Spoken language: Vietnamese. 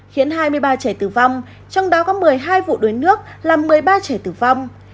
khiến hai mươi ba trẻ tử vong trong đó có một mươi hai vụ đuối nước làm một mươi ba trẻ tử vong